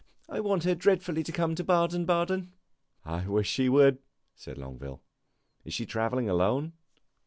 I want her dreadfully to come to Baden Baden." "I wish she would," said Longueville. "Is she travelling alone?"